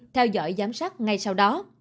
theo dõi giám sát ngay sau đó